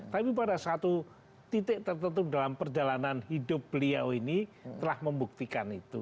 tapi pada satu titik tertentu dalam perjalanan hidup beliau ini telah membuktikan itu